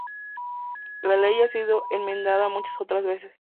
La Ley ha sido enmendada muchas otras veces.